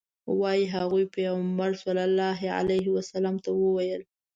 وایي هغوی پیغمبر صلی الله علیه وسلم ته وویل.